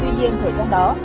tuy nhiên thời gian đó